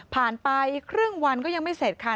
ไปครึ่งวันก็ยังไม่เสร็จค่ะ